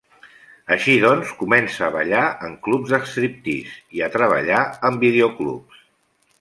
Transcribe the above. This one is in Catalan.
Així doncs, comença a ballar en clubs de striptease, i a treballar en videoclubs.